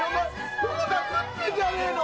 横田食ってんじゃねえの？